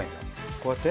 こうやって？